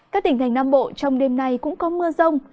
các tỉnh thành nam bộ trong đêm nay cũng có mưa rông